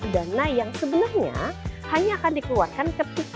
dana yang sebenarnya hanya akan dikeluarkan ketika